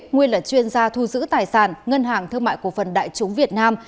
nguyên là chuyên gia thu giữ tài sản ngân hàng thương mại cổ phần đại chúng việt nam